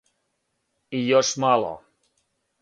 И још мало.